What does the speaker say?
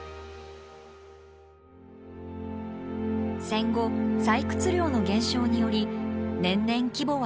戦後採掘量の減少により年々規模は縮小。